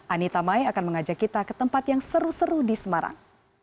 anita mai akan mengajak kita ke tempat yang seru seru di semarang